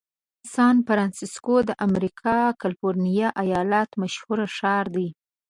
سان فرنسیسکو د امریکا کالفرنیا ایالت مشهوره ښار دی.